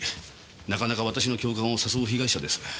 なかなか私の共感を誘う被害者です。